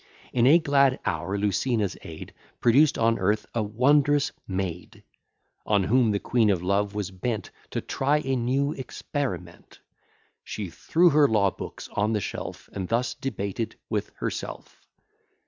In a glad hour Lucina's aid Produced on earth a wondrous maid, On whom the Queen of Love was bent To try a new experiment. She threw her law books on the shelf, And thus debated with herself.